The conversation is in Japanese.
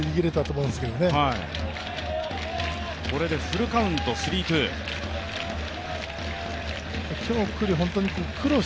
これでフルカウントスリーツー。